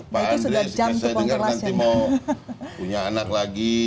pak andre saya dengar nanti mau punya anak lagi